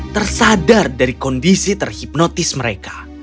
tersadar dari kondisi terhipnotis mereka